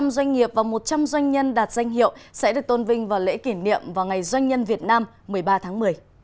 một trăm linh doanh nghiệp và một trăm linh doanh nhân đạt danh hiệu sẽ được tôn vinh và lễ kỷ niệm vào ngày doanh nhân việt nam một mươi ba tháng một mươi